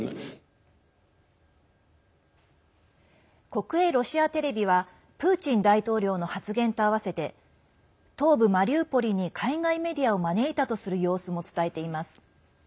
国営ロシアテレビはプーチン大統領の発言と併せて東部マリウポリに海外メディアを招いたとする様子も伝えています。